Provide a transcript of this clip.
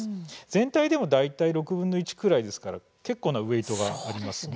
全体でも大体６分の１くらいですから結構なウエイトがありますね。